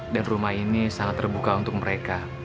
dan rumah ini sangat terbuka untuk mereka